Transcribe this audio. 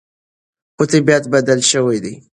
خو طبیعت بدل شوی دی.